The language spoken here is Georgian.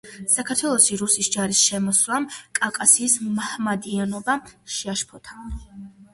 საქართველოში რუსის ჯარის შემოსვლამ კავკასიის მაჰმადიანობა შეაშფოთა.